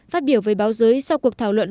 phát biểu về báo giới sau cuộc thảo luận